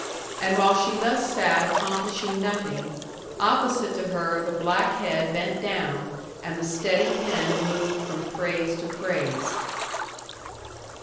And while she thus sat accomplishing nothing, opposite to her the black head bent down, and the steady pen moved from phrase to phrase.